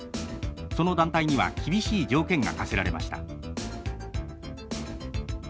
その団体には厳しい条件が課せられました。